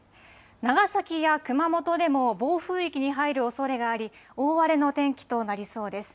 長崎や熊本でも暴風域に入るおそれがあり、大荒れの天気となりそうです。